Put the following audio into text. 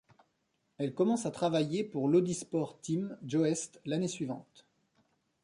Elle commence à travailler pour l'Audi Sport team Joest l’année suivante.